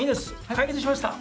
解決しました。